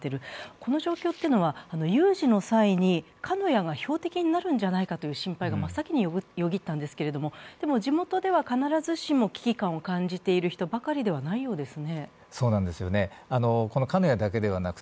この状況というのは、有事の際に鹿屋が標的になるのではないかという心配が真っ先によぎったんですけれども、地元では必ずしも危機感を感じている人ばかりではないようですね。